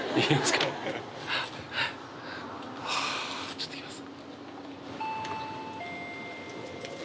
ちょっといきます